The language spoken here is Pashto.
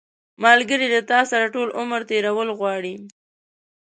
ملګری له تا سره ټول عمر تېرول غواړي